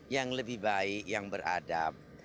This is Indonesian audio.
yang lebih baik yang beradab